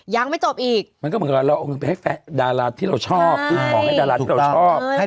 ยังไม่จบอีกมันก็เหมือนกับเราเอาเงินไปให้ดาราที่เราชอบซื้อของให้ดาราที่เราชอบ